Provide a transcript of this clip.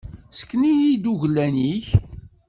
Sken-iyi-d uglan-ik.